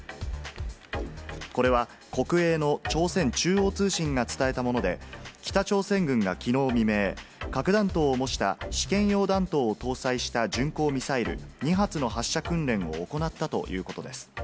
これは国営の朝鮮中央通信が伝えたもので、北朝鮮軍がきのう未明、核弾頭を模した試験用弾頭を搭載した巡航ミサイル２発の発射訓練を行ったということです。